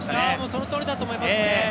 そのとおりだと思いますね